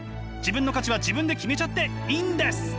自分の価値は自分で決めちゃっていいんです！